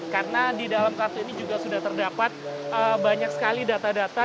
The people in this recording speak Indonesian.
karena di dalam kartu ini juga sudah terdapat banyak sekali data data